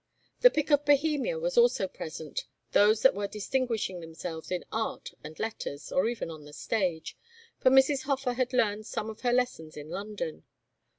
The pick of Bohemia was also present, those that were distinguishing themselves in art and letters, or even on the stage, for Mrs. Hofer had learned some of her lessons in London.